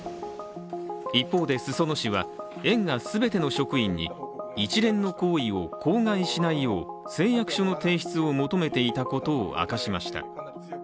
一方で、裾野市は園が全ての職員に一連の行為を口外しないよう誓約書の提出を求めていたことを明かしました